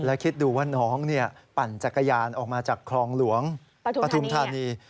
แล้วคิดดูว่าน้องปั่นจักรยานออกมาจากคลองหลวงปฐุมธานี